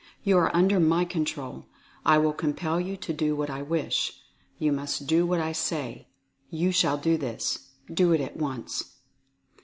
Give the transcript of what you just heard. You are under my control. I will compel you to do what I wish. You must do what I say. You shall do this. Do it at once."